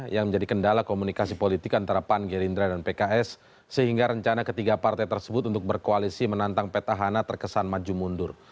yang menjadi kendala komunikasi politik antara pan gerindra dan pks sehingga rencana ketiga partai tersebut untuk berkoalisi menantang petahana terkesan maju mundur